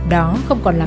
đó không còn là